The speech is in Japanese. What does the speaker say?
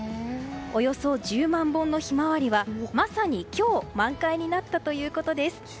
およそ１０万本のヒマワリはまさに今日満開になったということです。